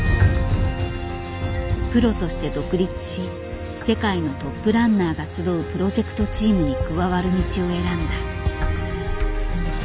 プロとして独立し世界のトップランナーが集うプロジェクトチームに加わる道を選んだ。